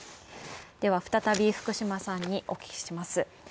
では再び福島さんにお聞きします。